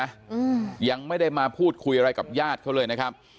อืมยังไม่ได้มาพูดคุยอะไรกับญาติเขาเลยนะครับ